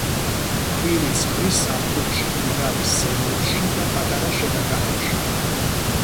ქვირითს ყრის ზაფხულში მდინარის ზემოთში და პატარა შენაკადებში.